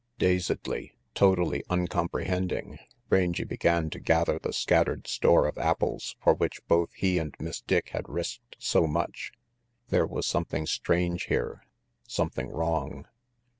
Dazedly, totally uncomprehending, Rangy began to gather the scattered store of apples for which both he and Miss Dick had risked so much. There was something strange here, something wrong.